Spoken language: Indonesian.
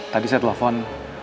tadi saya telepon